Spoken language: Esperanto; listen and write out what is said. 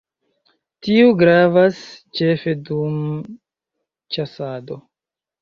Tiu gravas ĉefe dum ĉasado.